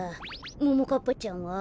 ももかっぱちゃんは？